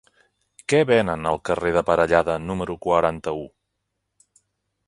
Què venen al carrer de Parellada número quaranta-u?